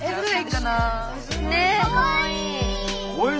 かわいい！